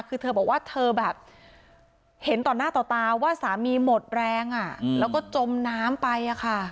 คือเธอบอกว่าเธอแบบเห็นต่อหน้าต่อตาว่าสามีหมดแรงแล้วก็จมน้ำไป